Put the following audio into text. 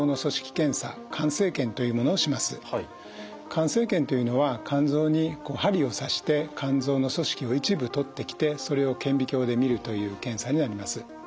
肝生検というのは肝臓に針を刺して肝臓の組織を一部とってきてそれを顕微鏡で見るという検査になります。